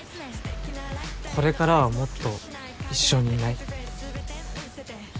これからはもっと一緒にいない？